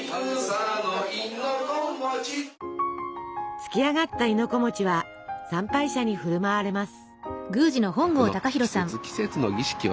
つきあがった亥の子は参拝者に振る舞われます。